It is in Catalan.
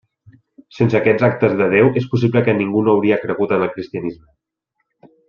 Sense aquests actes de Déu, és possible que ningú no hauria cregut en el cristianisme.